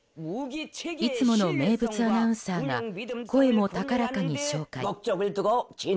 いつもの名物アナウンサーが声も高らかに紹介。